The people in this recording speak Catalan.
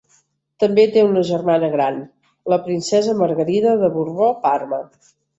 També té una germana gran, la princesa Margarida de Borbó-Parma.